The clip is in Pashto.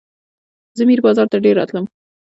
زه میر بازار ته ډېر راتلم.